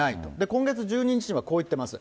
今月１２日にはこう言っています。